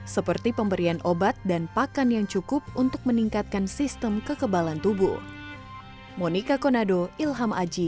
seperti pemberian obat dan pakan yang cukup untuk meningkatkan sistem kekebalan tubuh